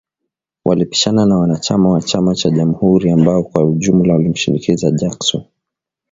Walipishana na wanachama wa chama cha Jamhuri ambao kwa ujumla walimshinikiza Jackson